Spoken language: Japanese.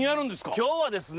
今日はですね